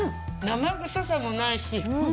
生臭さもないし。